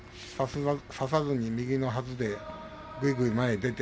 差さずに右のはずでぐいぐい前に出て